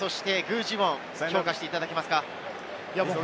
稲垣、具智元、評価していただけますか？